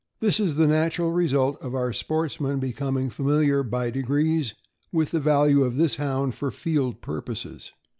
.This is the natural result of our sportsmen becoming familiar, by degrees, with the value of this Hound for field purposes.